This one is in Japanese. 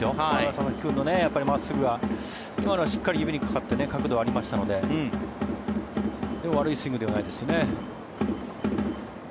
佐々木君の真っすぐは今のはしっかり指にかかって角度がありましたので悪いスイングではないですね。